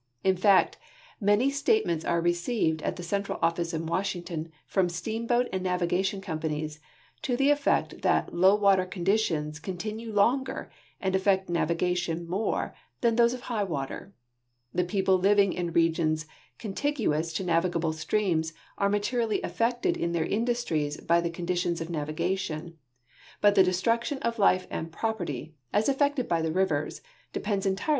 In fact, many statements are received at the central office in Washington from steamboat and navigation companies to the effect that low water conditions continue longer and affect navigation more than those of high water. The people living in regions contiguous to navigable streams are materiall}^ affected in their industries by the conditions of navigation, but the de struction of life and property, as effected by the rivers, depends entire!